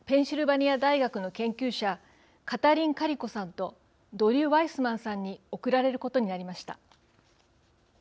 ニア大学の研究者カタリン・カリコさんとドリュー・ワイスマンさんに贈られることになりました。